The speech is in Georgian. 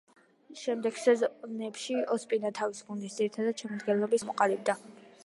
შემდეგ სეზონებში ოსპინა თავისი გუნდის ძირითადი შემადგენლობის მეკარედ ჩამოყალიბდა.